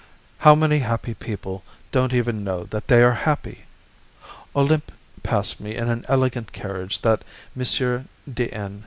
How many happy people don't even know that they are happy! Olympe passed me in an elegant carriage that M. de N.